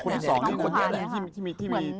คนที่๒คือคนที่มีที่มี